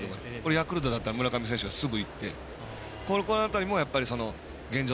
ヤクルトだったら村上選手がすぐいって、この辺りが現状